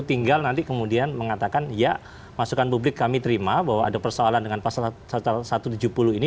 tinggal nanti kemudian mengatakan ya masukan publik kami terima bahwa ada persoalan dengan pasal satu ratus tujuh puluh ini